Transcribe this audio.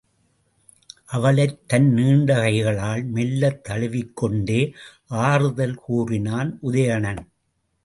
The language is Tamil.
அவளைத் தன் நீண்ட கைகளால் மெல்ல தழுவிக்கொண்டே ஆறுதல் கூறினான் உதயணன்.